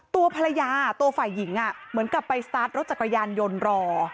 ตัวภรรยาตัวฝ่ายหญิงเหมือนกับไปสตาร์ทรถจักรยานยนต์รอ